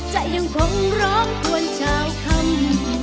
จะยังคงร้องกวนชาวคำ